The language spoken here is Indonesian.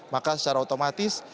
maka secara otomatis